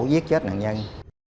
giết chết nạn nhân